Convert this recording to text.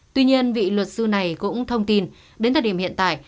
tuy nhiên vị luật sư này cũng thông tin đến thời điểm hiện tại